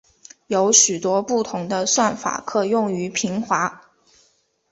有许多不同的算法可用于平滑。